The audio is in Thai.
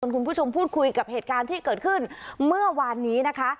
คุณผู้ชมพูดคุยกับเหตุการณ์ที่เกิดขึ้นเมื่อวานนี้นะคะ